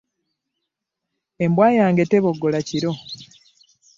Embwa yange teboggola kiro.